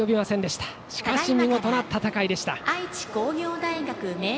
しかし見事な戦いでした。